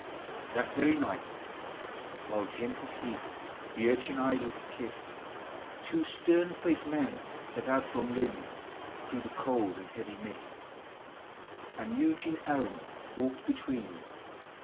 XXXVI. That very night, while gentle sleep The urchin eyelids kiss'd, Two stern faced men set out from Lynn, Through the cold and heavy mist; And Eugene Aram walk'd between.